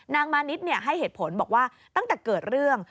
มานิดให้เหตุผลบอกว่าตั้งแต่เกิดเรื่อง